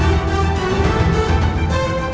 hidup raden walang susah